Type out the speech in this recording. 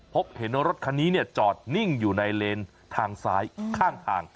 พบเห็นรถคันนี้จอดนิ่งอยู่ในเลนทางซ้ายข้างทาง